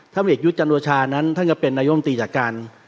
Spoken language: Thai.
ท่าเมิตยุทธจัดโรชานั้นก็เป็นนโยมศึกษาจากการ